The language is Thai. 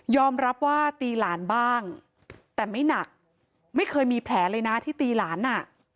รับว่าตีหลานบ้างแต่ไม่หนักไม่เคยมีแผลเลยนะที่ตีหลานอ่ะ